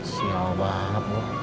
sial banget bu